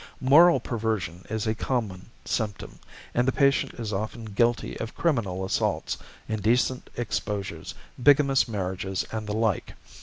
Moral perversion is a common symptom, and the patient is often guilty of criminal assaults, indecent exposures, bigamous marriages, and the like.